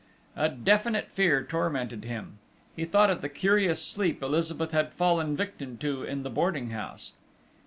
A definite fear tormented him. He thought of the curious sleep Elizabeth had fallen victim to in the boarding house.